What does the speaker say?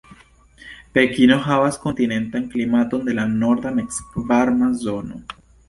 Pekino havas kontinentan klimaton de la norda mezvarma zono.